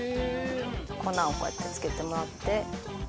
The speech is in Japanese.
粉をこうやって付けてもらって。